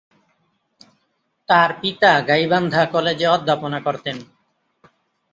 তার পিতা গাইবান্ধা কলেজে অধ্যাপনা করতেন।